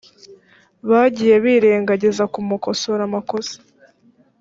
bagiye birengagiza kugukosora amakosa